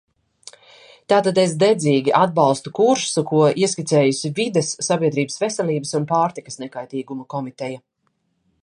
Tātad es dedzīgi atbalstu kursu, ko ieskicējusi Vides, sabiedrības veselības un pārtikas nekaitīguma komiteja.